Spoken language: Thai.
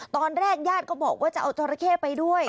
ตอนแรกญาติก็บอกว่าจะเอาจราเข้ไปด้วย